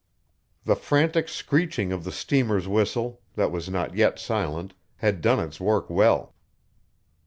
The frantic screeching of the steamer's whistle (that was not yet silent) had done its work well.